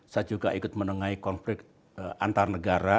saya juga ikut menengahi konflik antarabangsa